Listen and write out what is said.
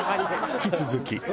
引き続き。